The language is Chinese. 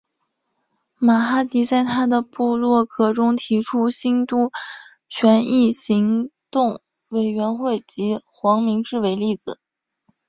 马哈迪在他的部落格中提出兴都权益行动委员会及黄明志为例子。